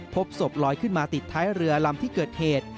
พบศพลอยขึ้นมาติดท้ายเรือลำที่เกิดเหตุ